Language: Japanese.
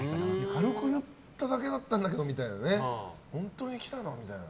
軽く言っただけだったんだけど本当に来たんだみたいな。